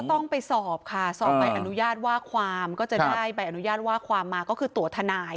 ต้องไปสอบค่ะสอบใบอนุญาตว่าความก็จะได้ใบอนุญาตว่าความมาก็คือตัวทนาย